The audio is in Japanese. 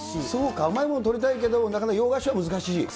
そうか、甘いものとりたいけど、なかなか洋菓子は難しい。